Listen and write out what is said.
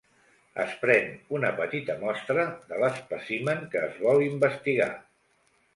Es pren una petita mostra de l'espècimen que es vol investigar.